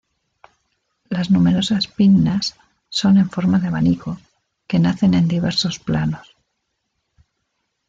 Las numerosas pinnas son en forma de abanico, que nacen en diversos planos.